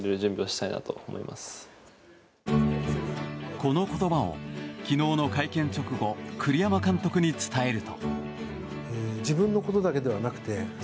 この言葉を昨日の会見直後栗山監督に伝えると。